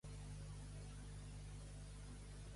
En Orba, els perolers, que tenen la sarpa llarga.